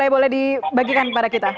boleh dibagikan kepada kita